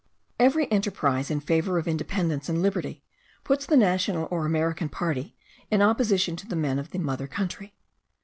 Every enterprise in favour of independence and liberty puts the national or American party in opposition to the men of the mother country.